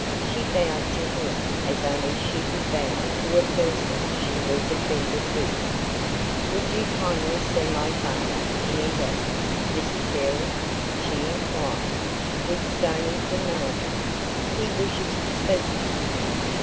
She bowed to him as only she could bow to a person she was offended with. "Would you kindly see my father in his office, Mr Carey?" she inquired, with stony formality. "He wishes to speak to you."